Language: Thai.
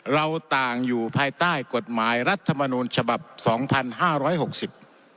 เราต่างอยู่ภายใต้กฎหมายรัฐมนูลฉบับสองพันห้าร้อยหกสิบ